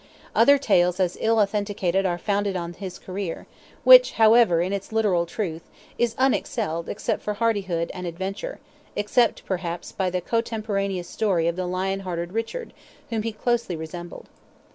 Other tales as ill authenticated are founded on his career, which, however, in its literal truth, is unexcelled for hardihood and adventure, except, perhaps, by the cotemporaneous story of the lion hearted Richard, whom he closely resembled.